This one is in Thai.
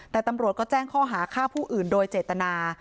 แต่ตำรวจก็แจ้งข้อหาฆ่าผู้อื่นโดยเจตนา